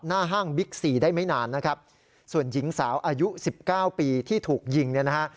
หน้าห้างบิ๊ก๔ได้ไม่นานนะครับส่วนหญิงสาวอายุ๑๙ปีที่ถูกยิงนะฮะ